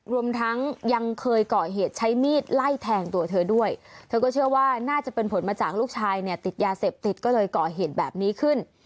รวมทั้งยังเคยเกาะเหตุใช้มีดไล่แทงตัวเธอด้วยเธอก็เชื่อว่าน่าจะเป็นผลมาจากลูกชายเนี่ยติดยาเสพติดก็เลยก่อเหตุแบบนี้ขึ้น